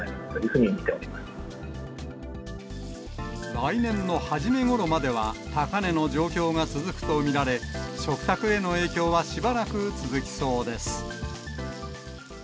来年の初めごろまでは、高値の状況が続くと見られ、食卓への影響はしばらく続きそうです。